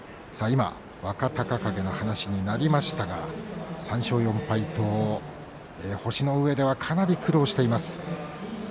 今、若隆景の話になりましたが３勝４敗と星のうえではかなり苦労しています。